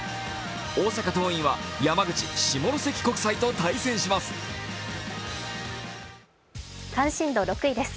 大阪桐蔭は山口・下関国際と対戦します。